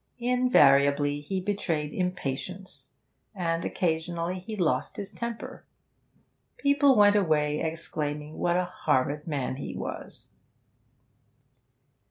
Invariably he betrayed impatience, and occasionally he lost his temper; people went away exclaiming what a horrid man he was!